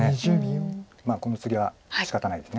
このツギはしかたないです。